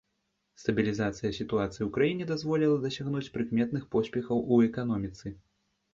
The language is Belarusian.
Стабілізацыя сітуацыі ў краіне дазволіла дасягнуць прыкметных поспехаў у эканоміцы.